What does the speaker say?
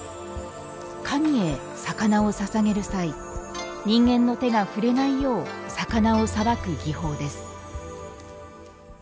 神へ魚をささげる際人間の手が触れないよう魚をさばく技法です。